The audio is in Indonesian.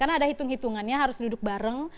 karena ada hitung hitungannya harus duduk bareng